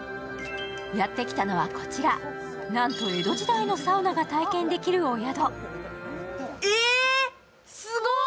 やってきたのはこちら、なんと江戸時代のサウナが体験できるお宿。